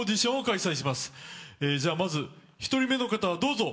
まず１人目の方どうぞ。